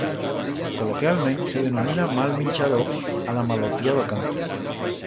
Coloquialment se denomina mal minchador a la malotía d'o cáncer.